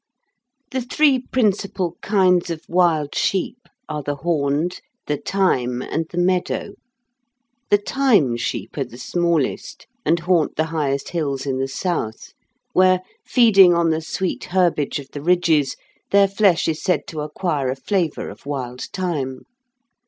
The three principal kinds of wild sheep are the horned, the thyme, and the meadow. The thyme sheep are the smallest, and haunt the highest hills in the south, where, feeding on the sweet herbage of the ridges, their flesh is said to acquire a flavour of wild thyme.